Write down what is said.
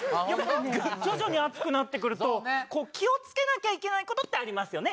徐々に暑くなってくると、こう、気をつけなきゃいけないことってありますよね。